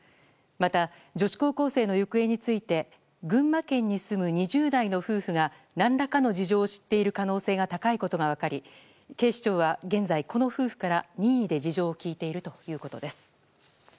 また女子高校生の行方について群馬県に住む２０代の夫婦が何らかの事情を知っている可能性が高いことが分かり警視庁は現在この夫婦から任意で事情を聴いているということです。